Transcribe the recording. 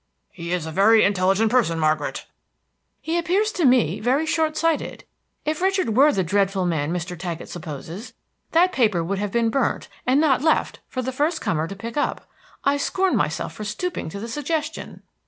"He is a very intelligent person, Margaret." "He appears to me very short sighted. If Richard were the dreadful man Mr. Taggett supposes, that paper would have been burnt, and not left for the first comer to pick up. I scorn myself for stooping to the suggestion!"